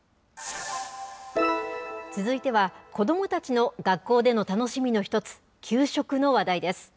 続いては、子どもたちの学校での楽しみの一つ、給食の話題です。